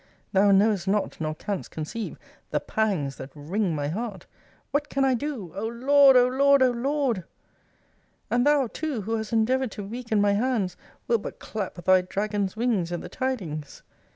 Thou knowest not, nor canst conceive, the pangs that wring my heart! What can I do! O Lord, O Lord, O Lord! And thou, too, who hast endeavoured to weaken my hands, wilt but clap thy dragon's wings at the tidings!